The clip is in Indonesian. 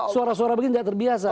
suara suara begini tidak terbiasa